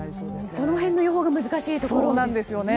その辺の予報が難しいところですね。